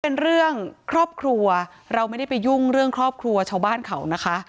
เป็นเรื่องครอบครัวเราไม่ได้ไปยุ่งเรื่องครอบครัวชาวบ้านเขานะคะ